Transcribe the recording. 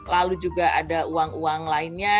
lalu juga ada uang uang lainnya